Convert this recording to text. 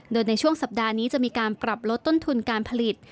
โดยในช่วงสัปดาห์นี้จะมีการปรับลดต้นทุนการผลิต